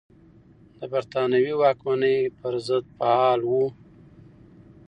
د بریتانوي واکمنۍ پر ضد فعال و.